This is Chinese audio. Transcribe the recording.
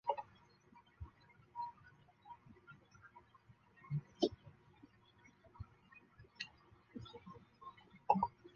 成年男女,不受种族、国籍或宗教的任何限制有权婚嫁和成立家庭。他们在婚姻方面,在结婚期间和在解除婚约时,应有平等的权利。